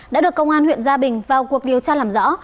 đã được công an huyện gia bình vào cuộc điều tra làm rõ